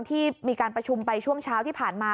ที่มีการประชุมไปช่วงเช้าที่ผ่านมา